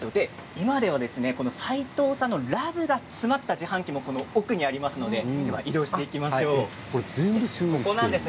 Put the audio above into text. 今では斎藤さんのラブが詰まった自販機もありますので移動していきましょう。